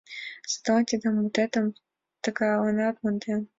Садлан тиде мутетым тыганалан мондем.